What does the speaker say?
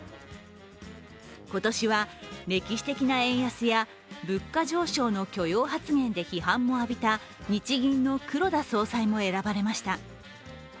今年は、歴史的な円安や物価上昇の許容発言で批判も浴びた日銀の黒田総裁も選ばれました。